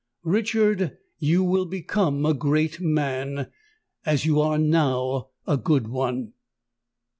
"_Richard, you will become a great man—as you are now a good one.